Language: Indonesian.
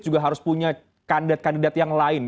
juga harus punya kandidat kandidat yang lain